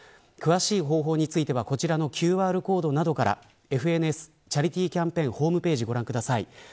詳しい方法についてはこちらのＱＲコードなどからＦＮＳチャリティキャンペーンホームページをご覧ください。